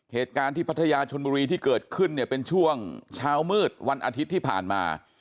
เหตุการณ์ที่พัทยาชนบุรีที่เกิดขึ้นเนี่ยเป็นช่วงเช้ามืดวันอาทิตย์ที่ผ่านมา